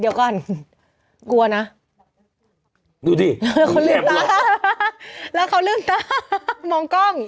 เดี๋ยวก่อนกลัวนะดูดิเออเขาลืมตาแล้วเขาลืมตามองกล้อง